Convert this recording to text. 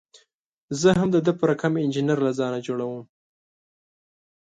زه هم د ده په رقم انجینر له ځان څخه جوړوم.